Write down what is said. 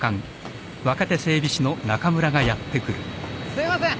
すいません。